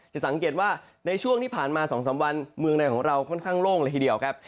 จะสังเกตว่าในช่วงที่ผ่านมา๒๓วันเมืองในของเราค่อนข้างโล่งเลยทีเดียวครับ